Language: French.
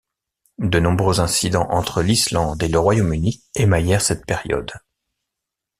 De nombreux incidents entre l'Islande et le Royaume-Uni émaillèrent cette période.